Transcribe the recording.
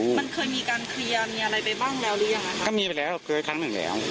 มันเคยมีการเคลียร์มีอะไรไปบ้างแล้วหรือยังก็มีไปแล้วเคยครั้งหนึ่งแล้ว